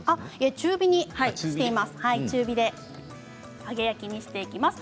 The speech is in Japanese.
中火で揚げ焼きにしています。